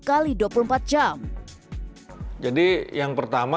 karena itu kominfo bekerja sama dengan gen z dan memperkenalkan informasi yang tidak terbatas